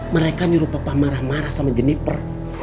mereka nyuruh papa marah marah sama jenniper